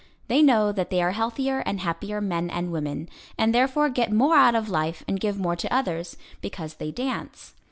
They know that they are healthier and happier men and women, and therefore get more out of life and give more to others, because they dance.